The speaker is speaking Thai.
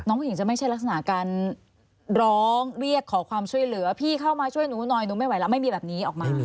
ผู้หญิงจะไม่ใช่ลักษณะการร้องเรียกขอความช่วยเหลือพี่เข้ามาช่วยหนูหน่อยหนูไม่ไหวแล้วไม่มีแบบนี้ออกมา